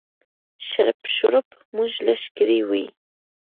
شړپ شړوپ مو لږ کړی وي.